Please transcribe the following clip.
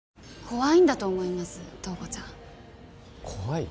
怖いんだと思います塔子ちゃん怖い？